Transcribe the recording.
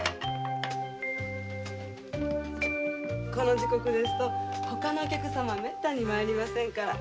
この時刻ですと外のお客様めったに参りませんから。